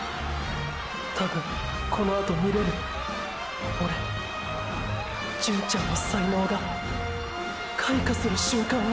たぶんこのあと見れるオレ純ちゃんの才能が開花する瞬間を！